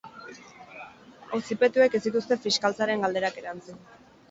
Auzipetuek ez dituzte fiskaltzaren galderak erantzun.